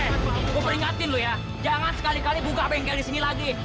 eh gue peringatin lu ya jangan sekali kali buka bengkel sini lagi